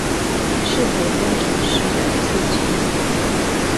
適合工程師的刺青